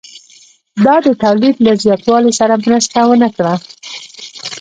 دا د تولید له زیاتوالي سره مرسته ونه کړه